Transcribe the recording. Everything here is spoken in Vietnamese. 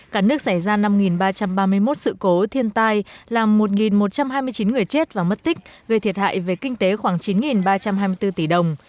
cả nước xảy ra năm ba trăm ba mươi một sự cố thiên tai làm một một trăm hai mươi chín người chết và mất tích gây thiệt hại về kinh tế khoảng chín ba trăm hai mươi bốn tỷ đồng